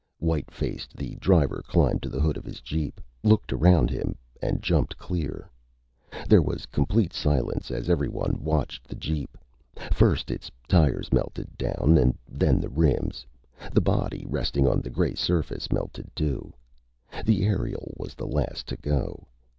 White faced, the driver climbed to the hood of his jeep, looked around him, and jumped clear. There was complete silence as everyone watched the jeep. First its tires melted down, and then the rims. The body, resting on the gray surface, melted, too. The aerial was the last to go.